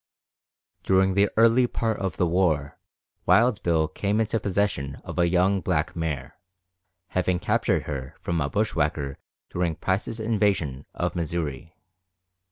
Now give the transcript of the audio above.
During the early part of the war, Wild Bill came into possession of a young black mare, having captured her from a bushwhacker during Price's invasion of Missouri.